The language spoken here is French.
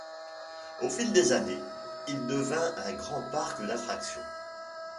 Au fil des années, il devint un grand parc d'attractions.